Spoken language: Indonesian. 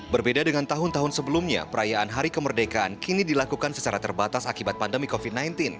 berbeda dengan tahun tahun sebelumnya perayaan hari kemerdekaan kini dilakukan secara terbatas akibat pandemi covid sembilan belas